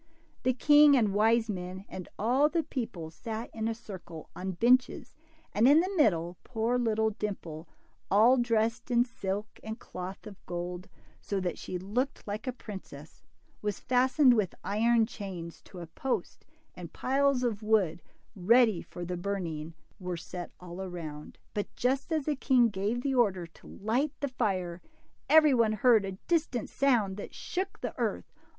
The king and wise men and all the people sat in a circle on benches, and in the middle poor little Dimple, all dressed in silk and cloth of gold, so that she looked like a princess, was fastened with iron chains to a post, and piles of wood, ready for the burning, were set all round. But just as the king gave the order to light the fire, every one heard a distant sound that shook the earth.